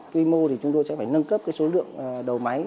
quy mô thì chúng tôi sẽ phải nâng cấp số lượng đầu máy